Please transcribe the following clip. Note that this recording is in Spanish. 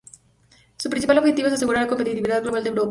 Su principal objetivo es asegurar la competitividad global de Europa.